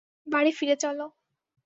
বাড়ি ফিরে চলো।